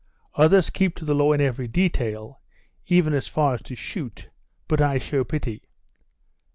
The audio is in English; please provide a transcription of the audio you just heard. Others keep to the law in every detail, even as far as to shoot, but I show pity.